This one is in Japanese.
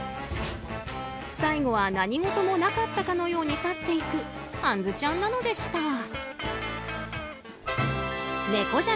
最後は何事もなかったかのように去っていくあんずちゃんなのでした。